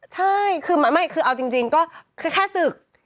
ใช่คือเอาจริงก็แค่สึก